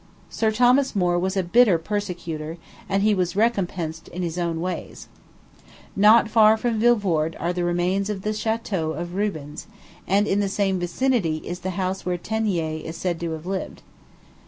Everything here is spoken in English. Sir Thomas More was a bitter persecutor, and he was "recompensed in his own ways." Not far from Vilvorde are the remains of the chateau of Rubens; and in the same vicinity is the house where Teniers is said to have lived.